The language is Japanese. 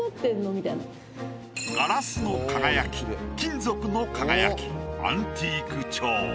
ガラスの輝き金属の輝きアンティーク調。